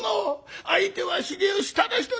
相手は秀吉ただ一人」。